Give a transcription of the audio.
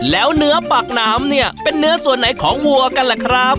แล้วเนื้อปากน้ำเนี่ยเป็นเนื้อส่วนไหนของวัวกันล่ะครับ